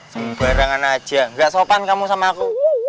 sembarangan aja gak sopan kamu sama aku